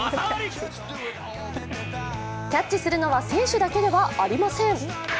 キャッチするのは選手だけではありません。